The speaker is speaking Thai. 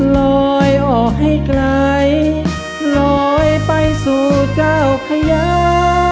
ลอยออกให้ไกลลอยไปสู่เจ้าพญา